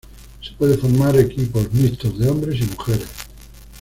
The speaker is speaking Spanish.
Se pueden formar equipos mixtos de hombres y mujeres.